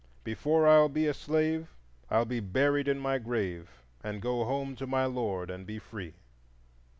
Before I'll be a slave I'll be buried in my grave, And go home to my Lord And be free."